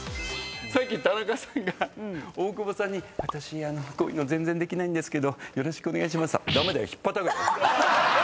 さっき田中さんが大久保さんに「私こういうの全然できないんですけどお願いします」っつったら。